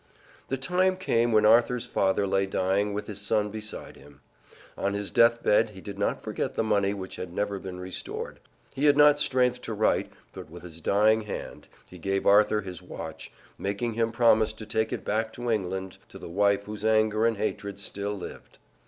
The time came when Arthur's father lay dying with his son beside him. On his death bed he did not forget the money which had never been restored. He had not strength to write, but with his dying hand he gave Arthur his watch, making him promise to take it back to England to the wife whose anger and hatred still lived.